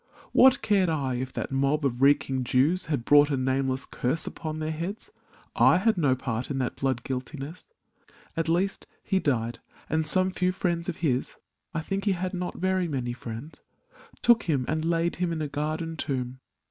What cared I if that mob of reeking Jews Had brought a nameless curse upon their heads ? I had no part in that blood guiltiness. At least he died; and some few friends of his — I think he had not very many friends — Took him and laid him in a garden tomb.